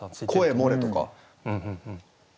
「声もれ」とか。